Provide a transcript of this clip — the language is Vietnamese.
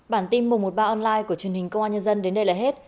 bản tin mùa một ba online của truyền hình công an nhân dân đến đây là hết